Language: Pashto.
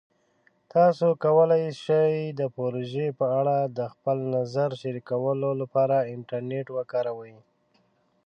تاسو کولی شئ د پروژې په اړه د خپل نظر شریکولو لپاره انټرنیټ وکاروئ.